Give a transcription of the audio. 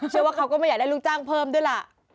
เชื่อว่าเขาก็ไม่อยากได้ลูกจ้างเพิ่มด้วยแหละ